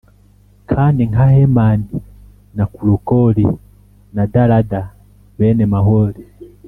kandi nka Hemani na Kalukoli na Darada bene Maholi